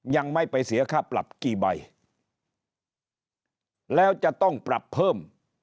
ยังไม่ไปเสียค่าปรับกี่ใบแล้วจะต้องปรับเพิ่ม